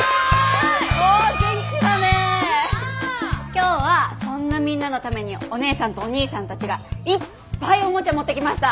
今日はそんなみんなのためにおねえさんとおにいさんたちがいっぱいおもちゃ持ってきました。